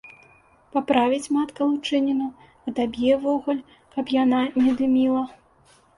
Паправіць матка лучыніну, адаб'е вугаль, каб яна не дыміла.